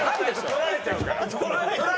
取っちゃうから。